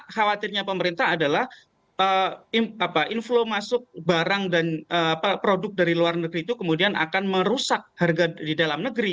khawatirnya pemerintah adalah inflow masuk barang dan produk dari luar negeri itu kemudian akan merusak harga di dalam negeri